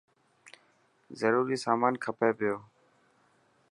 ضروري سامان کپي پيو.